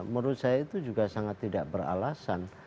menurut saya itu juga sangat tidak beralasan